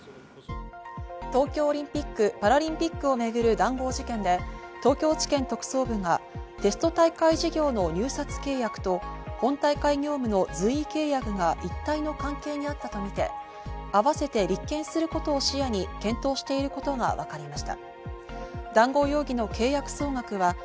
東京オリンピック・パラリンピックをめぐる談合事件で、東京地検特捜部がテスト大会事業の入札契約と本大会業務の随意契約が一体の関係にあったとみて、あわせて立件することを視野に検討していることがわかりました。